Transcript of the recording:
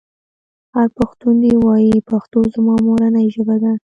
هر پښتون دې ووايي پښتو زما مورنۍ ژبه ده.